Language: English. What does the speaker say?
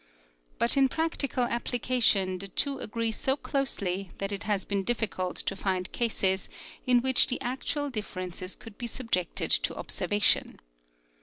But in practical applica tion the two agree so closely that it has been difficult to find cases in which the actual differences could be subjected to observation.